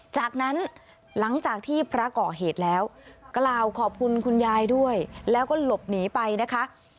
จากนั้นหลังจากที่พระก่อเหตุแล้วกล่าวขอบคุณคุณยายด้วยแล้วก็หลบหนีไปนะคะ